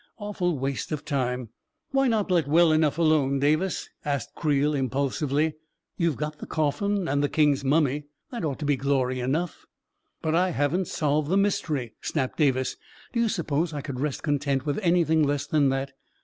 " Awful waste of time I "" Why not let well enough alone, Davis? " asked Creel impulsively. " You've got the coffin and the king's mummy. That ought to be glory enough 1 " 44 But I haven't solved the mystery," snapped Davis. 4C Do you suppose I could rest content with anything less than that?